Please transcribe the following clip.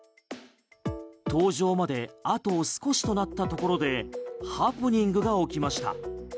搭乗まであと少しとなったところでハプニングが起きました。